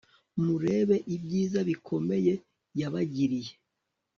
murebe ibyiza bikomeye yabagiriye